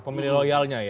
pemilih loyalnya ya